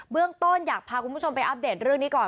เรื่องต้นอยากพาคุณผู้ชมไปอัปเดตเรื่องนี้ก่อน